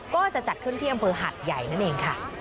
ก็จะจัดขึ้นที่อำเภอหัดใหญ่นั่นเองค่ะ